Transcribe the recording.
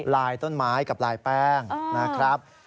ลายต้นไม้กับลายแป้งนะครับ